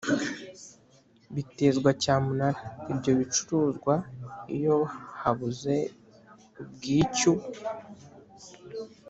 Bitezwa cyamunara ibyo bicuruzwa iyo habuze ubwicyu